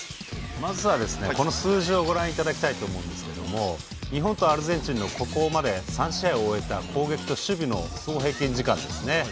まずは、この数字をご覧いただきたいと思うんですが日本とアルゼンチンのここまで３試合を終えた攻撃と守備の総平均時間ですね。